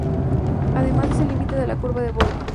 Además es el límite de la curva de Boyle.